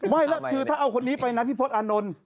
ไม่แล้วคือถ้าเอาคนนี้ไปนะพี่พศอานนท์